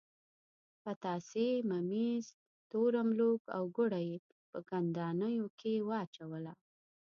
پتاسې، ممیز، تور املوک او ګوړه یې په کندانیو کې واچوله.